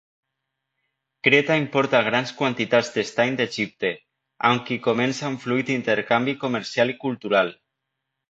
Creta importa grans quantitats d'estany d'Egipte, amb qui comença un fluid intercanvi comercial i cultural.